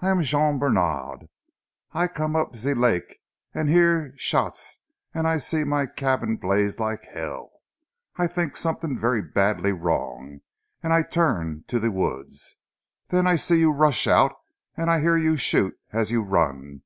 "I am Jean Bènard. I come up zee lak' an' hear shots an' I see my cabin blaze like hell. I tink somethin' ver' badly wrong an' I turn to zee woods. Den I see you rush out an' I hear you shoot as you run.